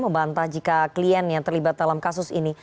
membantah jika klien yang terlibat dalam kasus ini